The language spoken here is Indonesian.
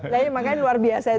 nah makanya luar biasa itu